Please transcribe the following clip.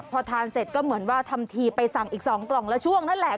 พอทานเสร็จก็เหมือนว่าทำทีไปสั่งอีก๒กล่องละช่วงนั่นแหละ